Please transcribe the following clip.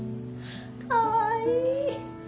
かわいい。